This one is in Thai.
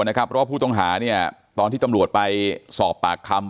เพราะว่าผู้ต้องหาตอนที่ตำรวจไปสอบปากคำ